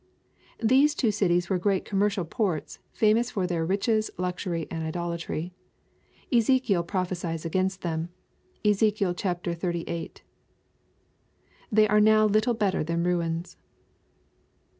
] These two cities were great commercial ports, famous for their riches, luxury, and idolatry. Ezekiel prophesies against them. (Ezek. xxxviii.) They are now little better than ruins.